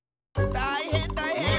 たいへんたいへん！